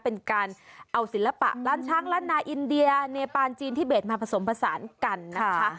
เป็นการเอาศิลปะทั้งรัฐนาอินเดียเนปานจีนทิเบศมาผสมผสานกันนะครับ